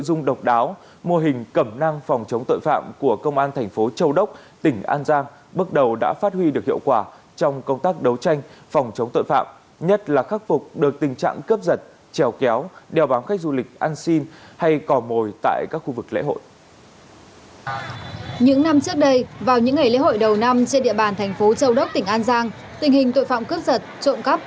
trên địa bàn thành phố châu đốc tỉnh an giang tình hình tội phạm cướp giật trộm cắp